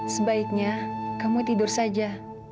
sebaiknya kamu tidur saja